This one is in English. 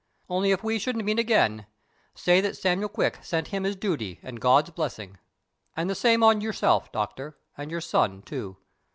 Only if we shouldn't meet again, say that Samuel Quick sent him his duty and God's blessing. And the same on yourself, Doctor, and your son, too.